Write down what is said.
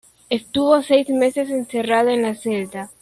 Estuvo seis meses encerrada en la celda.